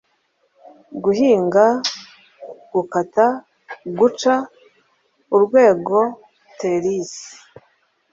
guhinga, gukata, guca, urwego, trellis